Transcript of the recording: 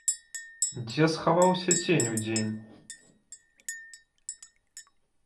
Дзе схаваўся цень удзень?